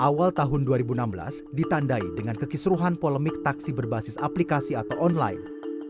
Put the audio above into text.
awal tahun dua ribu enam belas ditandai dengan kekisruhan polemik taksi berbasis aplikasi atau online